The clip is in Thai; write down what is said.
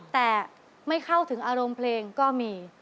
แต่ไม่เข้าถึงอารมณ์เพลงก็มี